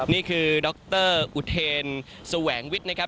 นี่คือดรออุเทนแสวงวิทย์นะครับ